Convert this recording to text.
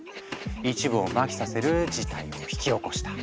一部をマヒさせる事態を引き起こした。